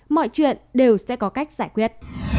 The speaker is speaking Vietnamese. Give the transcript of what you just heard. mọi chuyện đều sẽ có cách giải quyết